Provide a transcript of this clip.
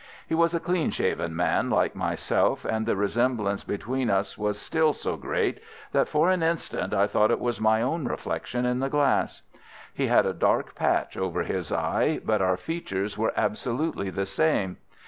He was a clean shaven man like myself, and the resemblance between us was still so great that, for an instant, I thought it was my own reflection in the glass. He had a dark patch over his eye, but our features were absolutely the same.